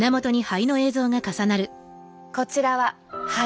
こちらは肺。